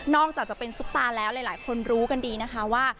อกจากจะเป็นซุปตาแล้วหลายคนรู้กันดีนะคะว่า